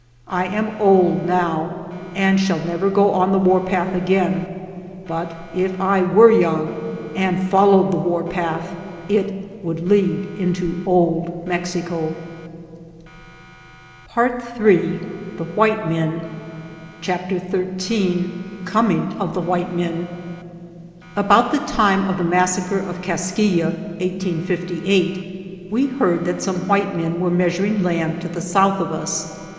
I am old now and shall never go on the war path again, but if I were young, and fol lowed the warpath, it would lead into Old Mexico. no PART III THE WHITE MEN CHAPTER XIII COMING OF THE WHITE MEN ABOUT the time of the massacre of fc "Kaskiyeh" (1858) we heard that some white men were measuring land to the south of us.